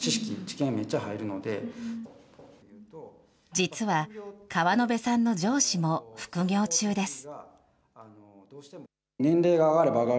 実は、川野辺さんの上司も副業中です。